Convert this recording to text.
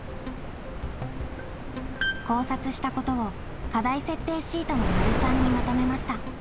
考察したことを課題設定シートの③にまとめました。